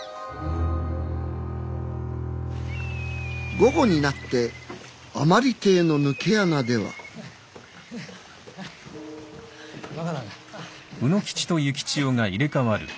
午後になって甘利邸の抜け穴では若旦那。